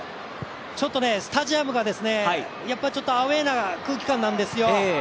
ちょっとねスタジアムがアウェーな空気感なんですよ。